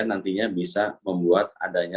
nantinya bisa membuat adanya